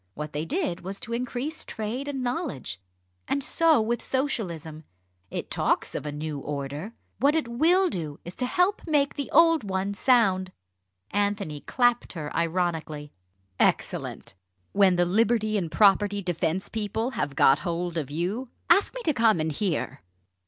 what they did was to increase trade and knowledge. And so with Socialism. It talks of a new order what it will do is to help to make the old sound!" Anthony clapped her ironically. "Excellent! When the Liberty and Property Defence people have got hold of you ask me to come and hear!"